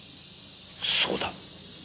そうだ。